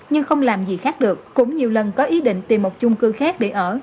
nhưng không làm gì khác được cũng nhiều lần có ý định tìm một chung cư khác để ở